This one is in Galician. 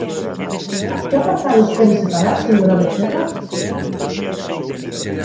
¿Que apartados quere separar, señora Vecerra?